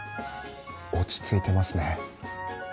落ち着いてますね。